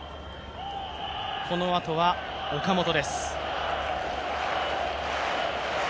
このあとは岡本です。